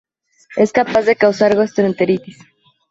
Es capaz de causar gastroenteritis.